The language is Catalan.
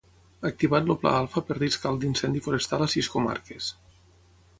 Activat el Pla Alfa per risc alt d'incendi forestal a sis comarques.